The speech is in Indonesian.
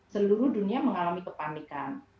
seluruh dunia mengalami kepanikan